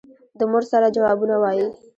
د مور سره جوابونه وايي.